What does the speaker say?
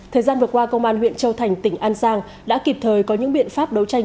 thời gian vừa qua công an huyện châu thành tỉnh an giang đã kịp thời có những biện pháp đấu tranh